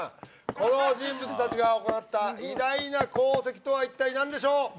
この人物達が行った偉大な功績とは一体何でしょう？